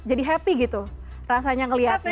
jadi happy gitu rasanya ngelihatnya